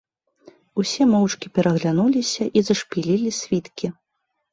Усе моўчкі пераглянуліся і зашпілілі світкі.